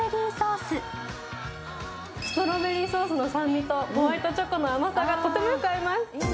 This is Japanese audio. ストロベリーソースの酸味とホワイトチョコの甘さがとてもよく合います。